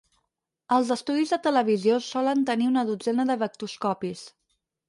Els estudis de televisió solen tenir una dotzena de vectoscopis.